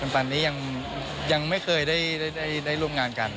ตอนนี้ยังไม่เคยได้ร่วมงานกัน